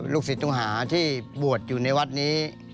ศิษย์ต้องหาที่บวชอยู่ในวัดนี้